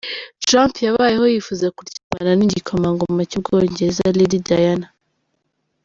Trump yabayeho yifuza kuryamana n’igikomangoma cy’Ubwongereza ‘Lady Diana’.